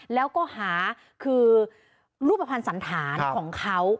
แล้วก็หาคือรูปภัณฑ์สันธารของเขา